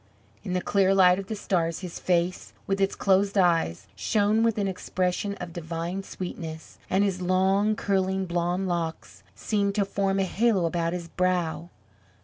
In the clear light of the stars, his face, with its closed eyes, shone with an expression of divine sweetness, and his long, curling, blond locks seemed to form a halo about his brow.